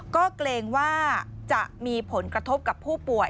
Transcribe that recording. ก็เกรงว่าจะมีผลกระทบกับผู้ป่วย